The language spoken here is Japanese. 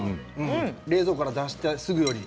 冷蔵庫から出してすぐより。